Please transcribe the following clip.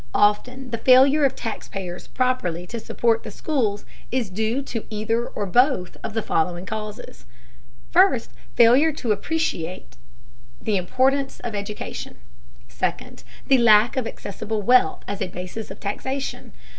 Often the failure of taxpayers properly to support the schools is due to either or both of the following causes: First, failure to appreciate the importance of education; second, the lack of accessible wealth as a basis of taxation.